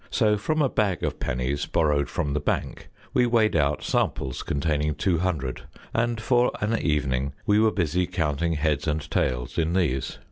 So from a bag of pennies borrowed from the bank, we weighed out samples containing two hundred, and for an evening we were busy counting heads and tails in these.